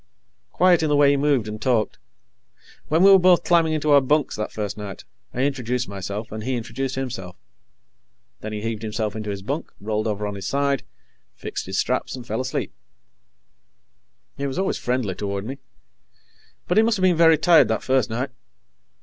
Quiet in the way he moved and talked. When we were both climbing into our bunks, that first night, I introduced myself and he introduced himself. Then he heaved himself into his bunk, rolled over on his side, fixed his straps, and fell asleep. He was always friendly toward me, but he must have been very tired that first night.